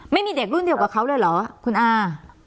ไม่มีเด็กรุ่นเดียวกับเขาเลยเหรอคุณอา